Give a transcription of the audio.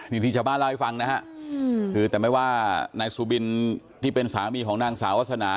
นี่ที่ชาวบ้านเล่าให้ฟังนะฮะคือแต่ไม่ว่านายสุบินที่เป็นสามีของนางสาววาสนา